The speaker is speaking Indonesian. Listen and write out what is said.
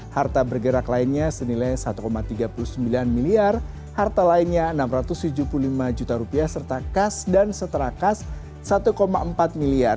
harta bergerak lainnya senilai rp satu tiga puluh sembilan miliar harta lainnya rp enam ratus tujuh puluh lima juta serta kas dan seterakas rp satu empat miliar